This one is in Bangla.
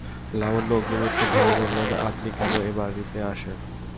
লাবণ্য অগ্নিমূর্তি ধরে বললে, আপনি কেন এ বাড়িতে আসেন?